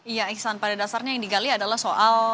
iya iksan pada dasarnya yang digali adalah soal